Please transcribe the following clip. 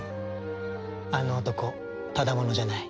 あの男ただ者じゃない。